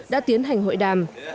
đã tiến hành hội đàm